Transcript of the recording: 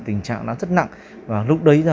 tình trạng nó rất nặng và lúc đấy